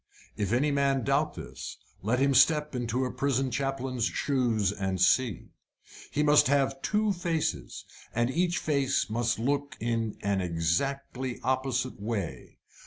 If any man doubt this, let him step into a prison chaplain's shoes and see. He must have two faces, and each face must look in an exactly opposite way.